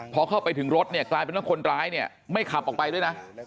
พอเข้าไปถึงรถเนี่ยกลายเป็นว่าคนร้ายเนี่ยไม่ขับออกไปด้วยนะ